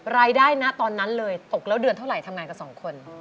รายได้นะตอนนั้นเลยตกแล้วเดือนเท่าไหร่ทำงานกับสองคน